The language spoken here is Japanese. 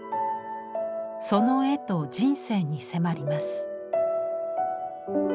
その絵と人生に迫ります。